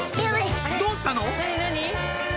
どうしたの？